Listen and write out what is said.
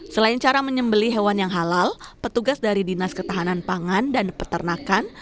selain cara menyembeli hewan yang halal petugas dari dinas ketahanan pangan dan peternakan